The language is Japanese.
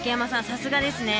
さすがですね。